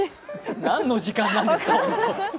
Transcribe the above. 何の時間なんですか。